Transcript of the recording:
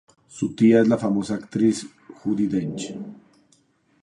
Su tía es la famosa actriz Judi Dench.